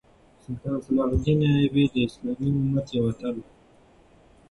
سلطان صلاح الدین ایوبي د اسلامي امت یو اتل وو.